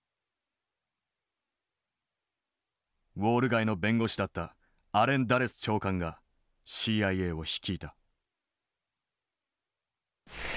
ウォール街の弁護士だったアレン・ダレス長官がＣＩＡを率いた。